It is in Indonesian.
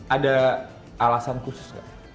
ada alasan khusus gak